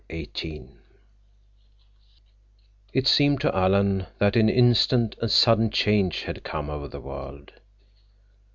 CHAPTER XVIII It seemed to Alan that in an instant a sudden change had come over the world.